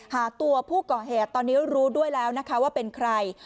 หาตัวผู้ก่อเหตุตอนนี้รู้ด้วยแล้วนะคะว่าเป็นใคร